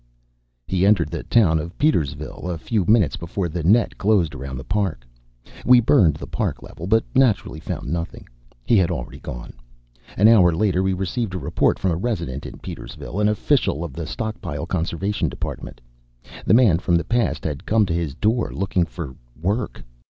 "He entered the town of Petersville a few minutes before the net closed around the park. We burned the park level, but naturally found nothing. He had already gone. An hour later we received a report from a resident in Petersville, an official of the Stockpile Conservation Department. The man from the past had come to his door, looking for work.